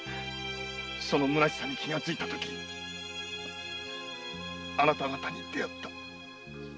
そのむなしさに気づいた時あなた方に出会った。